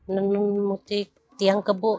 nenun motif tiang kebu